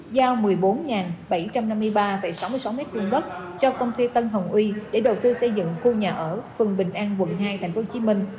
giao một mươi bốn bảy trăm năm mươi ba sáu mươi sáu m hai đất cho công ty tân hồng uy để đầu tư xây dựng khu nhà ở phường bình an quận hai tp hcm